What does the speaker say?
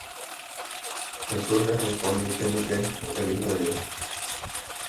Jesús les responde diciendo que es el Hijo de Dios.